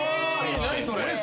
何それ。